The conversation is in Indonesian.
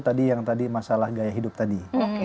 tadi yang tadi masalah gaya hidup tadi